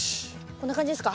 こんな感じですか？